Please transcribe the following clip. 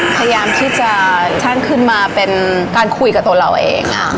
พยายามที่จะช่างขึ้นมาเป็นการคุยกับตัวเราเองค่ะ